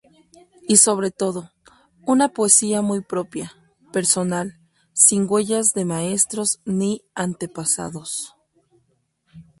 Y sobre todo, una poesía muy propia, personal, sin huellas de maestros ni antepasados.